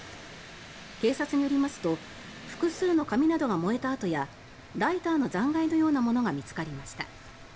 警察によりますと複数の紙などが燃えた跡やライターの残骸のようなものが見つかりました。